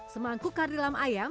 semangku kari lam ayam